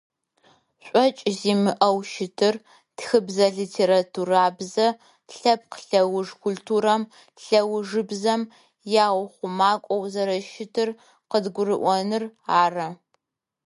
ШӀокӏ зимыӏэу щытыр тхыбзэ-литературабзэр лъэпкъ лӏэуж культурэм, лӏэужыбзэм яухъумакӏоу зэрэщытыр къыдгурыӏоныр ары.